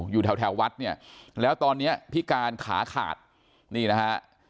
อยู่แถววัดเนี่ยแล้วตอนนี้พิการขาขาดนี่นะฮะ